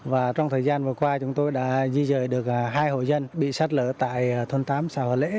và trong thời gian vừa qua chúng tôi đã di dời được hai hộ dân bị sạt lở tại thôn tám xã hòa lễ